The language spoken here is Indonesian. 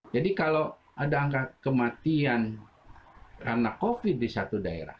jadi kalau ada angka kematian karena covid di satu daerah